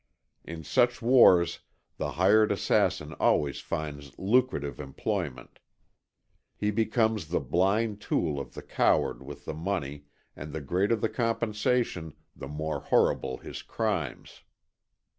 In such wars the hired assassin always finds lucrative employment. He becomes the blind tool of the coward with the money, and the greater the compensation the more horrible his crimes.